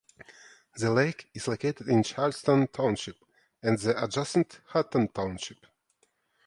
The lake is located in Charleston Township and the adjacent Hutton Township.